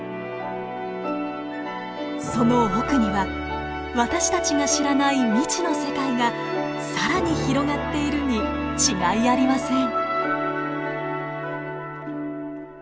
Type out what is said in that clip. その奥には私たちが知らない未知の世界が更に広がっているに違いありません。